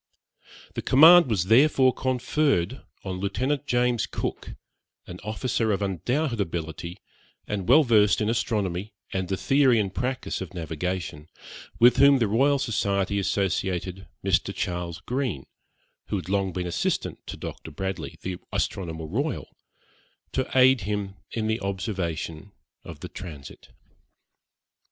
The command was therefore conferred on Lieutenant James Cook, an officer of undoubted ability, and well versed in astronomy and the theory and practice of navigation, with whom the Royal Society associated Mr. Charles Green, who had long been assistant to Dr. Bradley, the astronomer royal, to aid him in the observation of the transit.